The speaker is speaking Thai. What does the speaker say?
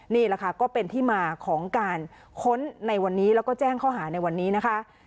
นี่แหละค่ะก็เป็นที่มาของการค้นในวันนี้แล้วก็แจ้งข้อหาในวันนี้นะคะ